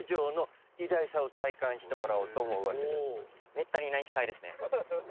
めったにない機会ですね。